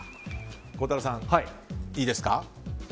孝太郎さん、いいですか。